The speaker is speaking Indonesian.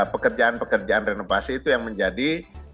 pekerjaan pekerjaan renovasi itu yang menjadi